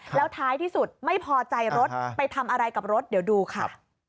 แล้วท้ายที่สุดไม่พอใจรถไปทำอะไรกับรถเดี๋ยวดูค่ะ